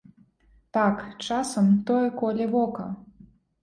Так, часам тое коле вока.